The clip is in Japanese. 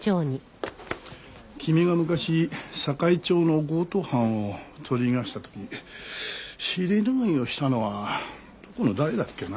君が昔坂井町の強盗犯を取り逃がした時尻拭いをしたのはどこの誰だっけな？